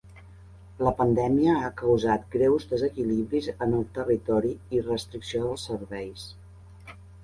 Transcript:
La pandèmia ha causat greus desequilibris en el territori i restricció dels serveis.